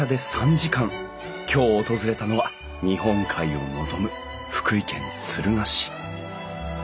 今日訪れたのは日本海を臨む福井県敦賀市。